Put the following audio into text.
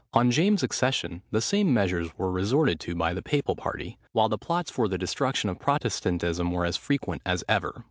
On James's accession the same measures were resorted to by the papal party, while the plots for the destruction of Protestantism were as frequent as ever.